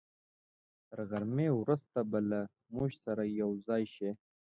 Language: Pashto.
تر غرمې وروسته به له موږ سره یوځای شي.